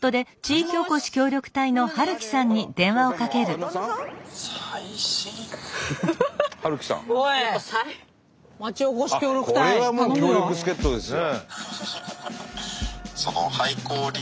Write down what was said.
あっこれはもう強力助っとですよ。